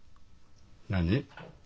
何？